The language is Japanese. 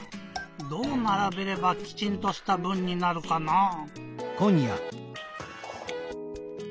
どうならべればきちんとした文になるかなぁ？